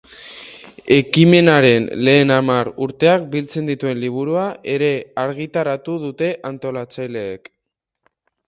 Ekimenaren lehen hamar urteak biltzen dituen liburua ere argitaratu dute antolatzaileek.